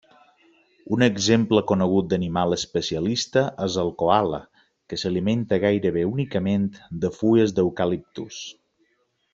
Un exemple conegut d'animal especialista és el coala, que s'alimenta gairebé únicament de fulles d'eucaliptus.